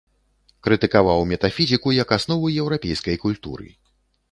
Крытыкаваў метафізіку як аснову еўрапейскай культуры.